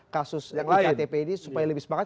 kasus iktp ini supaya lebih semangat